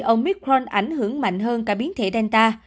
omicron ảnh hưởng mạnh hơn cả biến thể delta